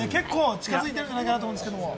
近づいてるんじゃないかなと思いますけれどもね。